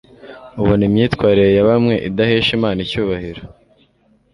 ubona imyitwarire ya bamwe idahesha Imana icyubahiro